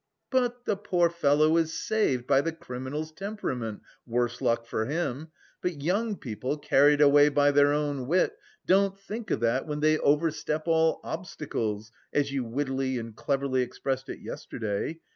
But the poor fellow is saved by the criminal's temperament, worse luck for him! But young people carried away by their own wit don't think of that 'when they overstep all obstacles,' as you wittily and cleverly expressed it yesterday.